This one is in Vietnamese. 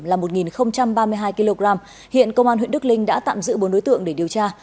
là một ba mươi hai kg hiện công an huyện đức linh đã tạm giữ bốn đối tượng để điều tra